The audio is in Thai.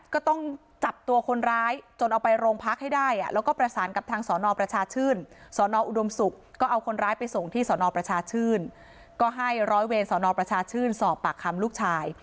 ก็ให้ร้อยเวณสนอประชาชยืนสอบปากคำลูกชาย